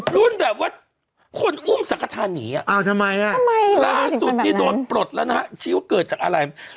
รุ่นแบบว่าคนอุ้มสังฆ์ธาตุหนีอ่ะราศุทธ์นี้โดนปลดแล้วนะชิ้นว่าเกิดจากอะไร